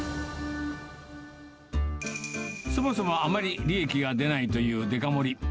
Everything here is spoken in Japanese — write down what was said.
そもそも、あまり利益が出ないというデカ盛り。